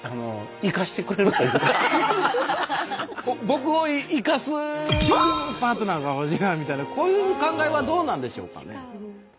僕を生かすパートナーが欲しいなみたいなこういう考えはどうなんでしょうかね？